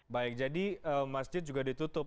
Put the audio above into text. baik jadi masjid juga ditutup